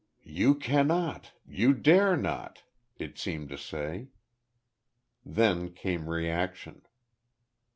"You cannot. You dare not," it seemed to say. Then came reaction.